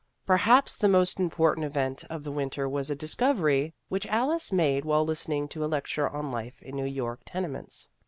Perhaps the most important event of the winter was a discovery which Alice made while listening to a lecture on life in New York tenements.